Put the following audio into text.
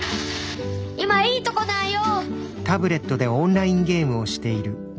今いいとこなんよ！